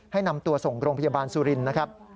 ให้นำตัวส่งโรงพยาบาลสุรินทร์นะครับ